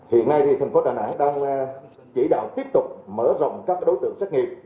hiện nay thành phố đà nẵng đang chỉ đạo tiếp tục mở rộng các đối tượng xét nghiệm